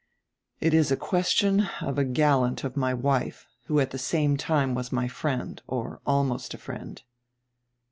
"It is a question of a gallant of my wife, who at die same time was my friend, or almost a friend."